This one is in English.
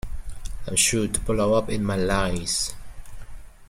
I'm sure to blow up in my lines.